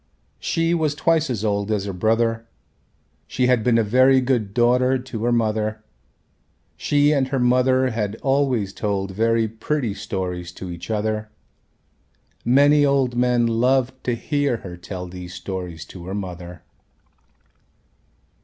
She was twice as old as her brother. She had been a very good daughter to her mother. She and her mother had always told very pretty stories to each other. Many old men loved to hear her tell these stories to her mother.